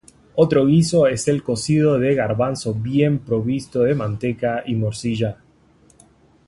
Otro guiso es el cocido de garbanzos bien provisto de manteca y morcilla.